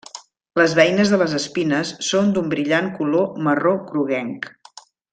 Les beines de les espines són d'un brillant color marró groguenc.